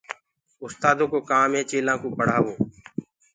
اُستآدو ڪو ڪآم هي چيلآ ڪو پڙهآوو